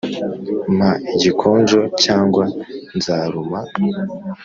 "mpa igikonjo, cyangwa nzaruma!"